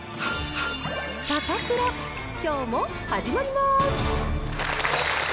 サタプラきょうも始まります。